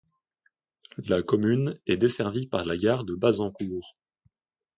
La commune est desservie par la gare de Bazancourt.